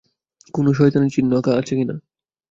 কোন শয়তানের চিহ্ন আঁকা আছে কি না!